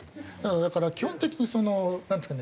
だから基本的になんていうんですかね